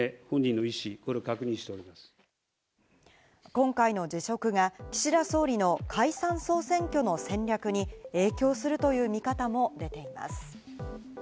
今回の辞職が岸田総理の解散総選挙の戦略に影響するという見方も出ています。